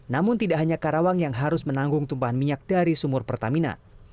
namun tidak hanya karawang yang harus menanggung tumpahan minyak dari sumur pertamina